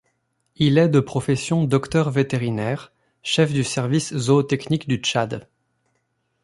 Il est de profession Docteur vétérinaire, chef du service zootechnique du Tchad.